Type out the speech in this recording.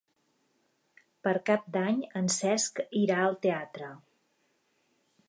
Per Cap d'Any en Cesc irà al teatre.